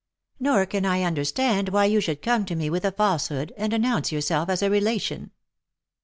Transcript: " Nor can I understand why you should come to me with a falsehood, and announce yourself as a relation."